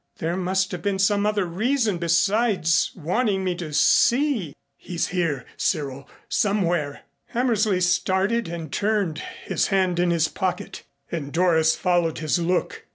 There must have been some other reasons besides wanting me to see he's here, Cyril somewhere " Hammersley started and turned, his hand in his pocket, and Doris followed his look.